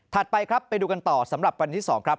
ไปครับไปดูกันต่อสำหรับวันที่๒ครับ